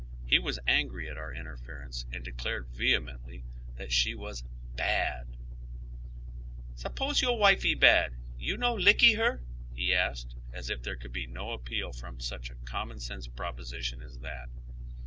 He was oy Google CHINATOWN. 99 angry at our interference, and declared vehemently that she was " bad," " S'ppose your wifee bad, you no lickee her ?" he asked, aB if there conld be no appeal from such a cominon Bense proposition as that.